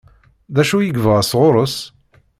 D acu i yebɣa sɣur-s?